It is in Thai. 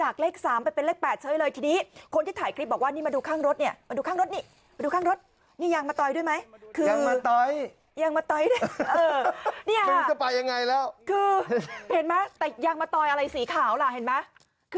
แกก็เลยอ้างว่ายางมะตอยคล้ายมาก